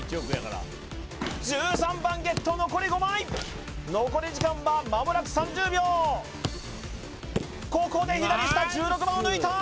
１３番ゲット残り５枚残り時間は間もなく３０秒ここで左下１６番を抜いた！